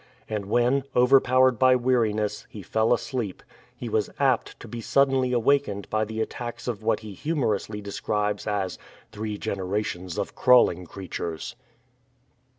And when, overpowered by weariness, he fell asleep, he was apt to be suddenly awakened by the attacks of what he humorously describes as "three generations of crawling creatures."